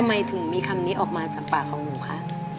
ทำไมถึงมีคำนี้ออกมาจากปากของหนูคะ